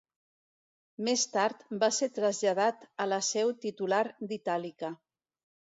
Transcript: Més tard va ser traslladat a la seu titular d'Itàlica.